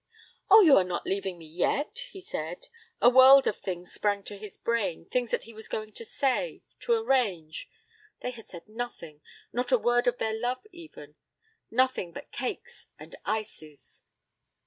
'Oh, you're not leaving me yet!' he said. A world of things sprang to his brain, things that he was going to say to arrange. They had said nothing not a word of their love even; nothing but cakes and ices.